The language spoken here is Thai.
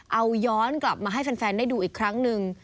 เอาย้อนกลับมาให้แฟนได้ดูอีกครั้งหนึ่ง